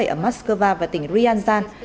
ở moscow và tỉnh ryazan